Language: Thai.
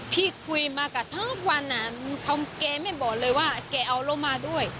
พี่คุยมากับทุกวันแกไม่บอกเลยว่าแกเอาเรามาด้วย